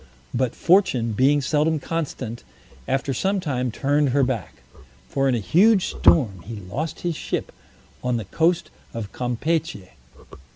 But Fortune, being seldom constant, after some time turned her back; for in a huge storm he lost his ship on the coast of Campechy.